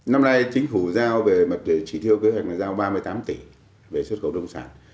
năm nay chính phủ giao về mặt chỉ tiêu kế hoạch là giao ba mươi tám tỷ về xuất khẩu nông sản